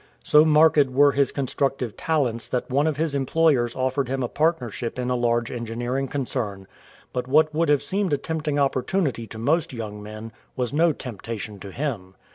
So marked were his con structive talents that one of his employers offered him a partnership in a large engineering concern ; but what would have seemed a tempting opportunity to most young men was no temptation to him.